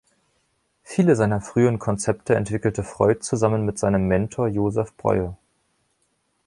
Viele seiner frühen Konzepte entwickelte Freud zusammen mit seinem Mentor Josef Breuer.